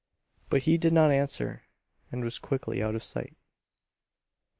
But he did not answer and was quickly out of sight.